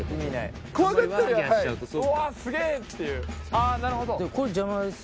あっなるほど。